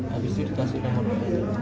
habis itu dikasih nomor wa